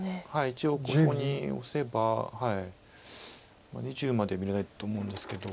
一応ここにオセば２０まで見れないと思うんですけど。